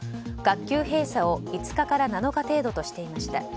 学級閉鎖を５日から７日程度としていました。